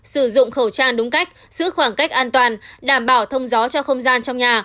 sử dụng khẩu trang đúng cách giữ khoảng cách an toàn đảm bảo thông gió cho không gian trong nhà